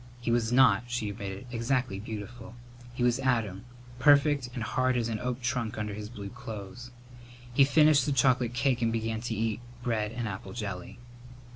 He was not, she admitted, exactly beautiful. He was Adam, perfect and hard as an oak trunk under his blue clothes. He finished the chocolate cake and began to eat bread and apple jelly.